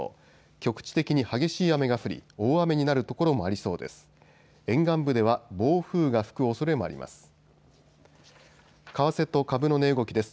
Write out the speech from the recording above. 局地的に激しい雨が降り大雨になる所もありそうです。